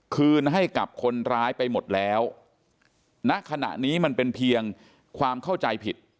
คืนให้กับคนร้ายไปหมดแล้วณขณะนี้มันเป็นเพียงความเข้าใจผิด